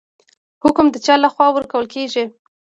حکم د چا لخوا ورکول کیږي؟